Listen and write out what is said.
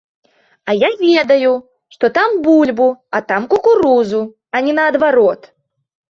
А я ведаю, што там бульбу, а там кукурузу, а не наадварот!